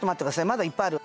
まだいっぱいある。